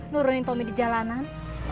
nurunin tommy di jalanan